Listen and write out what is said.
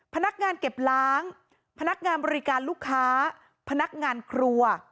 พนักงานเก็บล้างพนักงานบริการลูกค้าพนักงานครัว